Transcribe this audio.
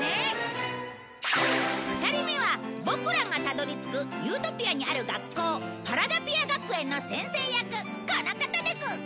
２人目はボクらがたどり着くユートピアにある学校パラダピア学園の先生役この方です。